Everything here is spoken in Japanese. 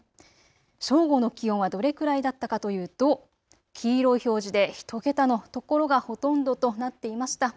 正午の気温はどれくらいだったかというと黄色い表示で１桁の所がほとんどとなっていました。